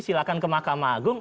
silakan ke makam agung